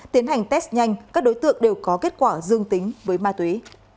tiến hành test nhanh các đối tượng đều có kết quả dương tính với ma túy